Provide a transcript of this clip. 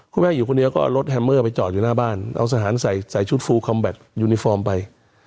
คุณแม่อยู่คนเดียวก็เอารถแฮมเมอร์ไปจอดอยู่หน้าบ้านเอาสถานใส่ชุดฟูคอมแบตยูนิฟอร์มไป